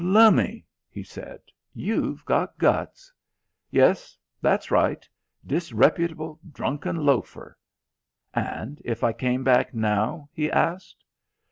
"Lummy," he said, "you've got guts. Yes, that's right. 'Disreputable drunken loafer.' And if I came back now?" he asked.